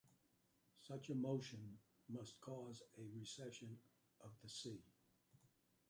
Such a motion must cause a recession of the sea.